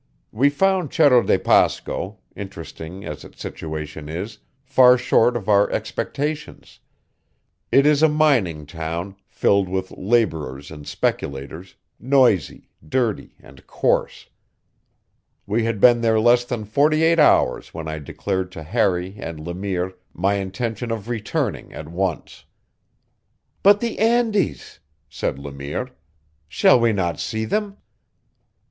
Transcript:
We found Cerro de Pasco, interesting as its situation is, far short of our expectations. It is a mining town, filled with laborers and speculators, noisy, dirty, and coarse. We had been there less than forty eight hours when I declared to Harry and Le Mire my intention of returning at once. "But the Andes!" said Le Mire. "Shall we not see them?"